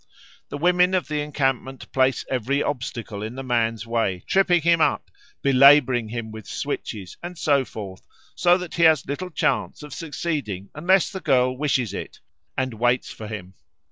The women of the encampment place every obstacle in the man's way, tripping him up, belabouring him with switches, and so forth, so that he has little chance of succeeding unless the girl wishes it and waits for him.